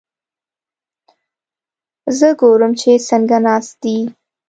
زه ګورم چې څنګه ناست دي؟